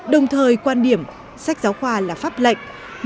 đồng thời quan điểm sách giáo khoa là pháp lệnh